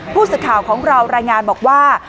พูดสิทธิ์ของเรารายงานบอกว่า